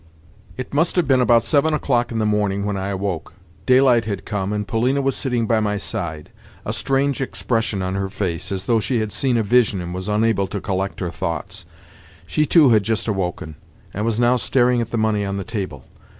It must have been about seven o'clock in the morning when I awoke. Daylight had come, and Polina was sitting by my side—a strange expression on her face, as though she had seen a vision and was unable to collect her thoughts. She too had just awoken, and was now staring at the money on the table.